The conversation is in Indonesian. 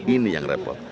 ini yang repot